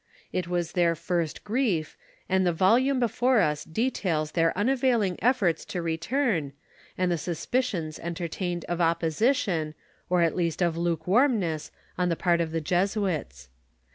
Tliis was tlicir first grief, and th« volume before us details their unavailing efforts to return, and the suspiulons entertained of opposition, or nt least of lukewarmness, on the part of the Jesuits.